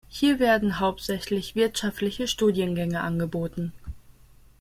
Hier werden hauptsächlich wirtschaftliche Studiengänge angeboten.